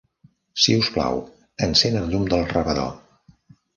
Si us plau, encén el llum del rebedor.